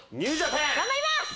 頑張ります！